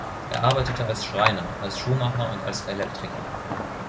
Er arbeitete als Schreiner, als Schuhmacher und als Elektriker.